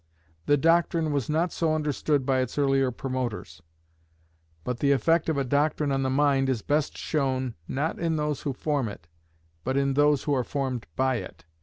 The doctrine was not so understood by its earlier promoters; but the effect of a doctrine on the mind is best shown, not in those who form it, but in those who are formed by it.